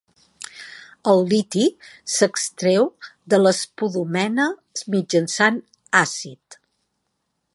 El liti s'extreu de l'espodumena mitjançant àcid.